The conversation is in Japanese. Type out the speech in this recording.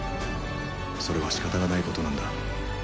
それは仕方がないことなんだ。